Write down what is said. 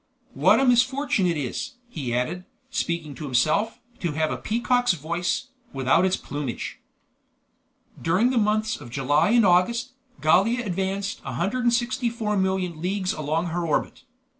What a misfortune it is," he added, speaking to himself, "to have a peacock's voice, without its plumage!" During the months of July and August, Gallia advanced 164,000,000 leagues along her orbit.